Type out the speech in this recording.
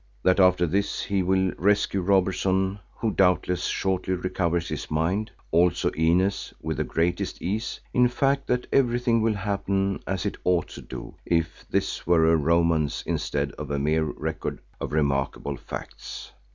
That after this he will rescue Robertson who doubtless shortly recovers his mind, also Inez with the greatest ease, in fact that everything will happen as it ought to do if this were a romance instead of a mere record of remarkable facts.